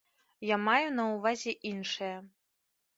Я маю на ўвазе іншае.